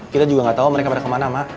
kita juga gak tau mereka pada kemana mak